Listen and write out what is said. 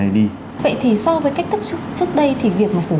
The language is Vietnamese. vậy thì so với cách thức trước đây thì việc mà sử dụng